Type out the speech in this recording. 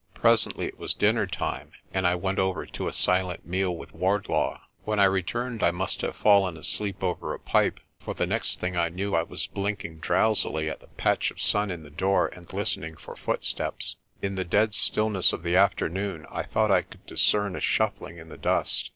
Presently it was dinner time, and I went over to a silent meal with Wardlaw. When I returned 88 ARCOLL TELLS A TALE 89 I must have fallen asleep over a pipe, for the next thing i' knew I was blinking drowsily at the patch of sun in the door, and listening for footsteps. In the dead stillness of the afternoon I thought I could discern a shuffling in the dust.